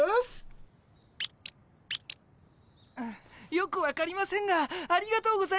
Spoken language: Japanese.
よく分かりませんがありがとうございます。